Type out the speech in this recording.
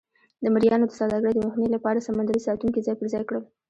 د مریانو د سوداګرۍ د مخنیوي لپاره سمندري ساتونکي ځای پر ځای کړل.